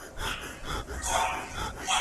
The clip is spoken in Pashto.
خېمې کلکي ودانۍ نه دي.